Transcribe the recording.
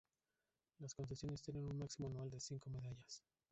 Las concesiones tienen un máximo anual de cinco medallas.